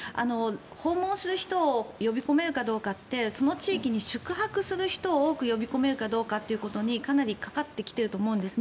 訪問する人を呼び込めるかどうかってその地域に宿泊する人を多く呼び込めるかということにかなりかかってきていると思うんです。